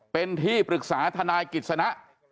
เป็นที่ปรึกษาทนายกิจสนะ